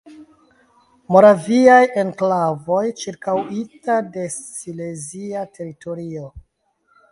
Moraviaj enklavoj ĉirkaŭita de silezia teritorio.